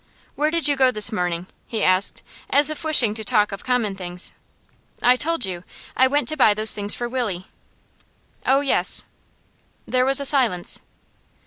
'Where did you go this morning?' he asked, as if wishing to talk of common things. 'I told you. I went to buy those things for Willie.' 'Oh yes.' There was a silence.